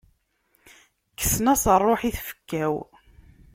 Kksen-as rruḥ i tfekka-w.